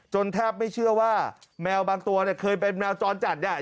จนแทบไม่เชื่อว่าแมวบางตัวเคยเป็นแมวจรจัดแหง